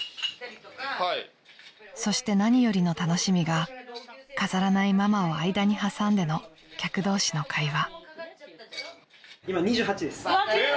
［そして何よりの楽しみが飾らないママを間に挟んでの客同士の会話］